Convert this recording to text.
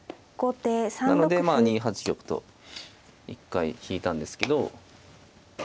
なのでまあ２八玉と一回引いたんですけど。